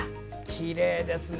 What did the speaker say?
きれいですね。